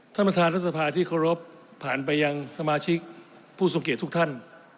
ท่านประธานรัฐสภาที่เคารพผ่านไปยังสมาชิกผู้ทรงเกียจทุกท่าน